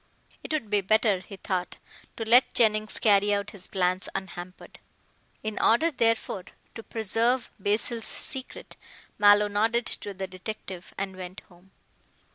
It would be better, he thought, to let Jennings carry out his plans unhampered. In order, therefore, to preserve Basil's secret, Mallow nodded to the detective and went home.